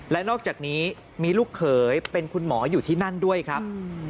และนอกจากนี้มีลูกเขยเป็นคุณหมออยู่ที่นั่นด้วยครับ